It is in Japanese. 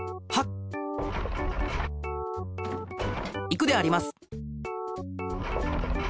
いくであります。